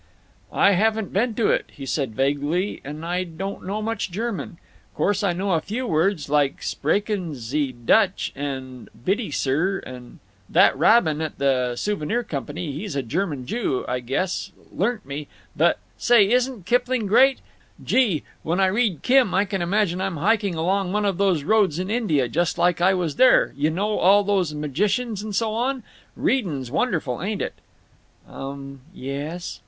"I haven't been to it," he said, vaguely. "…I don't know much German. Course I know a few words, like Spricken Sie Dutch and Bitty, sir, that Rabin at the Souvenir Company—he's a German Jew, I guess—learnt me…. But, say, isn't Kipling great! Gee! when I read Kim I can imagine I'm hiking along one of those roads in India just like I was there—you know, all those magicians and so on…. Readin's wonderful, ain't it!" "Um. Yes."